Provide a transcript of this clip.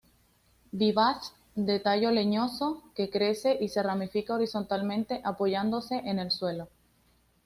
Vivaz, de tallo leñoso, que crece y se ramifica horizontalmente, apoyándose en el suelo.